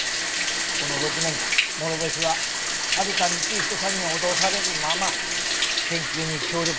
この６年間諸星は春田光彦さんに脅されるまま研究に協力させられていた。